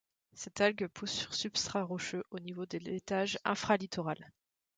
Cette algue pousse sur substrat rocheux, au niveau de l'étage infralittoral.